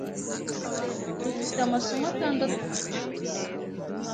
Dufite amasomo atandatu kumunsi.